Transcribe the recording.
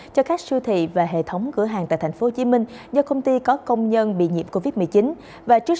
cho các siêu thị và hệ thống cửa hàng tại tp hcm do công ty có công nhân bị nhiễm covid một mươi chín và trước